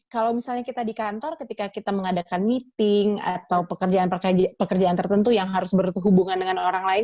kalau misalnya kita di kantor ketika kita mengadakan meeting atau pekerjaan pekerjaan tertentu yang harus berhubungan dengan orang lain